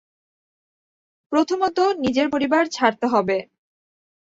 প্রথমত, নিজের পরিবার ছাড়তে হবে।